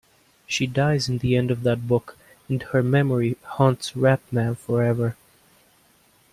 She dies in the end of that book, and her memory haunts Rat-Man forever.